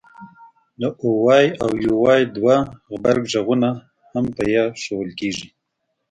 د oy او uy دوه غبرګغږونه هم په ی ښوول کېږي